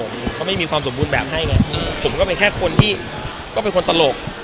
เขาไม่มีความสมบูรณ์แบบให้ไงผมก็เป็นแค่คนที่ก็เป็นคนตลก